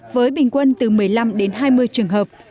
với bình quân từ một mươi năm đến hai mươi trường hợp